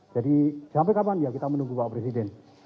jadi sampai kapan ya kita menunggu bapak presiden